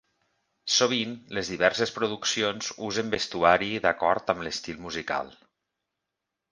Sovint, les diverses produccions usen vestuari d'acord amb l'estil musical.